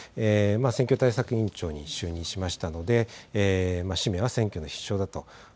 選挙対策委員長に就任しましたので、使命は選挙の必勝だと。